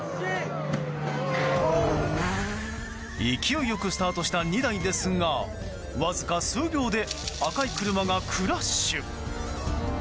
勢いよくスタートした２台ですがわずか数秒で赤い車がクラッシュ。